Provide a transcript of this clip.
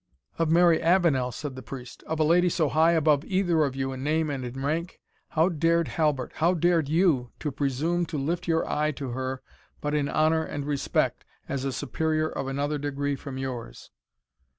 "Of Mary Avenel!" said the Priest "of a lady so high above either of you in name and in rank? How dared Halbert how dared you, to presume to lift your eye to her but in honour and respect, as a superior of another degree from yours?"